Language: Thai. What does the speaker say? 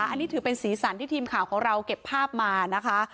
อันนี้ถือเป็นสีสันที่ทีมข่าวของเราเก็บภาพมานะคะ